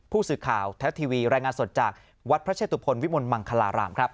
ผู้สื่อข่าวแท้ทีวีรายงานสดจากวัดพระเชตุพลวิมลมังคลารามครับ